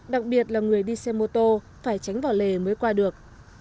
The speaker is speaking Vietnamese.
đặc biệt là người đi xe mô tô phải tránh vào lề mới qua được